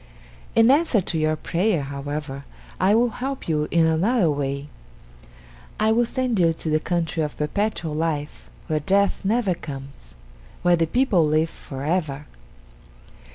"In answer to your prayer, however, I will help you in another way. I will send you to the country of Perpetual Life, where death never comes where the people live for ever!"